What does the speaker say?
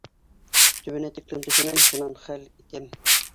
Төбөнә тиклем төшөнәм, шунан хәл итәм.